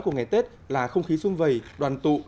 của ngày tết là không khí xuân vầy đoàn tụ